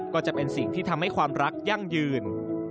ก็จะเป็นสิ่งที่ทำให้ความรักยั่งยืน